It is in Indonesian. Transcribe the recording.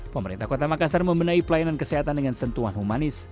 pemerintah kota makassar membenahi pelayanan kesehatan dengan sentuhan humanis